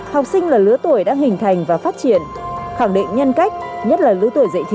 học sinh là lưới tuổi đang hình thành và phát triển khẳng định nhân cách nhất là lưới tuổi dạy thì